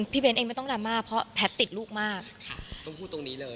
เบ้นเองไม่ต้องดราม่าเพราะแพทย์ติดลูกมากค่ะต้องพูดตรงนี้เลย